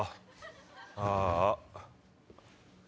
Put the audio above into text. ああ。